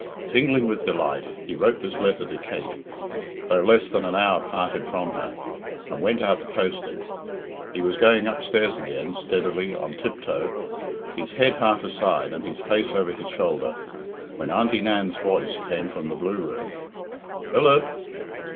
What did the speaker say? Tingling with delight, he wrote this letter to Kate, though less than an hour parted from her, and went out to post it. He was going upstairs again, steadily, on tiptoe, his head half aside and his face over his shoulder, when Auntie Nan's voice came from the blue room "Philip!"